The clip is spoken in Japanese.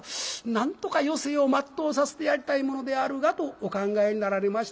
なんとか余生を全うさせてやりたいものであるが」とお考えになられましたが。